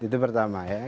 itu pertama ya